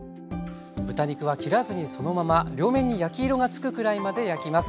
豚肉は切らずにそのまま両面に焼き色がつくくらいまで焼きます。